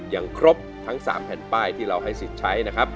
ยังครบทั้ง๓แผ่นป้ายที่เราให้สิทธิ์ใช้